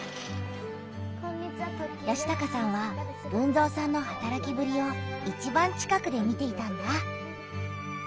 嘉孝さんは豊造さんのはたらきぶりをいちばん近くで見ていたんだ。